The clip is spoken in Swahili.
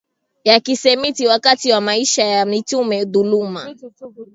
ya Kisemiti Wakati wa maisha ya Mitume dhuluma